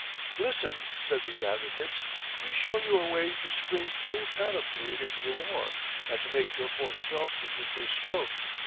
_] Listen [said these advocates], we show you a way to spring full panoplied into the war, and to make your force felt with your first stroke.